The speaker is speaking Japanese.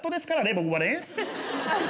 僕はね。